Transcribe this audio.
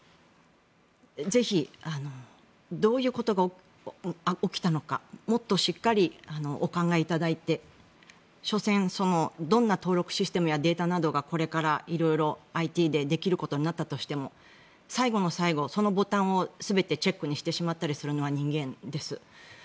ぜひ、どういうことが起きたのかもっとしっかりお考えいただいてしょせん、どんな登録システムやデータなどがこれからＩＴでできることになったとしても最後の最後、そのボタンを全てチェックにしてしまったりするのは人間です。